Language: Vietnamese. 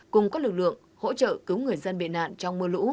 cùng các lực lượng hỗ trợ cứu người dân bị nạn trong mưa lũ